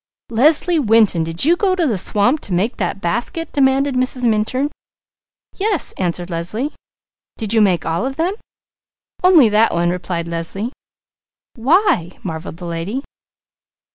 "Leslie Winton, did you go to the swamp to make that basket?" demanded Mrs. Minturn. "Yes," answered Leslie. "Did you make all of them?" "Only that one," replied Leslie. "Why?" marvelled the lady.